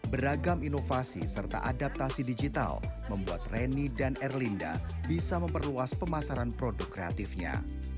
beragam inovasi serta adaptasi digital membuat reni dan erlinda bisa memperluas pemasaran produk kreatifnya